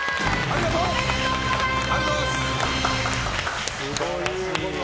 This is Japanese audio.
おめでとうございます！